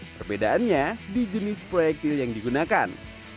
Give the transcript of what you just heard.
perbedaannya di jenis proyektil yang digunakan